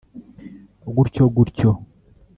gutyo gutyo